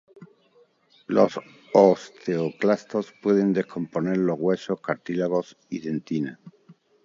Los osteoclastos pueden descomponer los huesos, cartílagos y dentina.